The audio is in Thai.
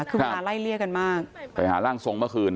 คือเวลาไล่เลี่ยกันมากไปหาร่างทรงเมื่อคืน